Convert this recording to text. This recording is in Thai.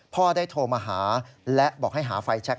พ่อได้โทรมาหาและบอกให้หาไฟแชค